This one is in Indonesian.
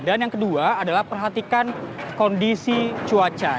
dan yang kedua adalah perhatikan kondisi cuaca